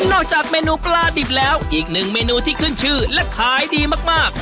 จากเมนูปลาดิบแล้วอีกหนึ่งเมนูที่ขึ้นชื่อและขายดีมาก